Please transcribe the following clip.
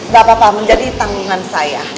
dapat papa menjadi tanggungan saya